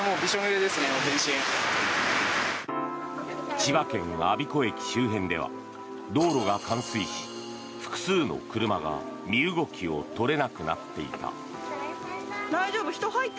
千葉県・我孫子駅周辺では道路が冠水し複数の車が身動きが取れなくなっていた。